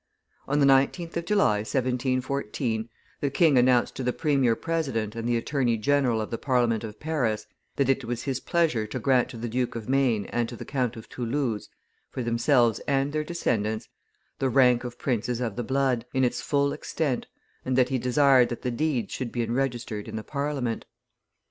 On the 19th of July, 1714, the king announced to the premier president and the attorney general of the Parliament of Paris that it was his pleasure to grant to the Duke of Maine and to the Count of Toulouse, for themselves and their descendants, the rank of princes of the blood, in its full extent, and that he desired that the deeds should be enregistered in the Parliament.